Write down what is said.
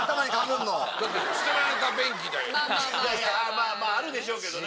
まぁまぁあるでしょうけどね。